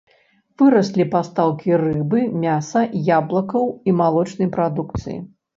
Выраслі пастаўкі рыбы, мяса, яблыкаў і малочнай прадукцыі.